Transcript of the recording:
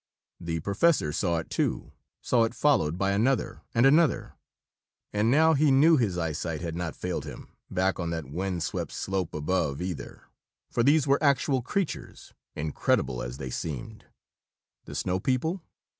The professor saw it, too saw it followed by another, and another and now he knew his eyesight had not failed him back on that wind swept slope above, either, for these were actual creatures, incredible as they seemed. The snow people?